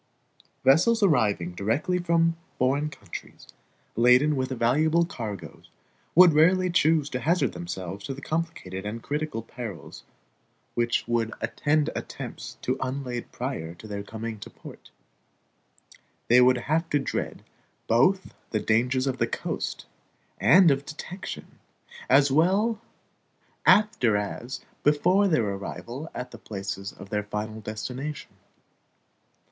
Vessels arriving directly from foreign countries, laden with valuable cargoes, would rarely choose to hazard themselves to the complicated and critical perils which would attend attempts to unlade prior to their coming into port. They would have to dread both the dangers of the coast, and of detection, as well after as before their arrival at the places of their final destination.